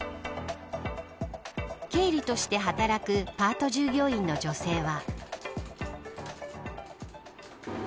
経理として働くパート従業員の女性は。